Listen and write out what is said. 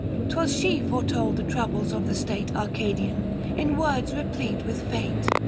'Twas she foretold the troubles of the state Arcadian, in words replete with fate.